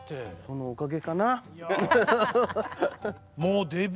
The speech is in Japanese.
そのおかげかな？